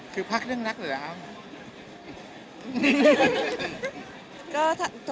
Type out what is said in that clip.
คือพักเรื่องรักหรืออะไรครับ